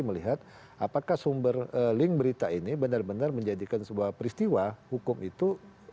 melihat apakah sumber link berita ini benar benar menjadikan sebuah peristiwa hukum itu